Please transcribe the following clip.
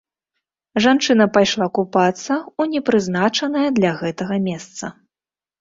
Жанчына пайшла купацца ў непрызначанае для гэтага месца.